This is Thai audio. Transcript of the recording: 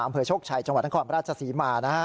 ทางเผยโชคชัยจังหวัดทางความพระราชสีมา